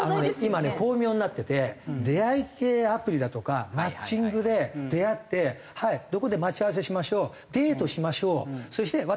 今ね巧妙になってて出会い系アプリだとかマッチングで出会ってはいどこで待ち合わせしましょうデートしましょう。